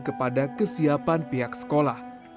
kepada kesiapan pihak sekolah